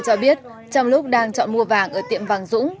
cho biết trong lúc đang chọn mua vàng ở tiệm vàng dũng